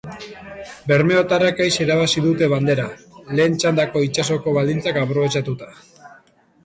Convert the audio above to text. Bermeotarrek aise irabazi dute bandera, lehen txandako itsasoko baldintzak aprobetxatuta.